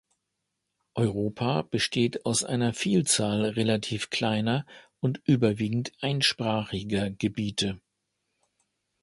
Europa besteht aus einer Vielzahl relativ kleiner und überwiegend einsprachiger Gebiete.